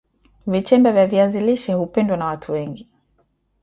Vichembe vya viazi lishe hupendwa na watu wengi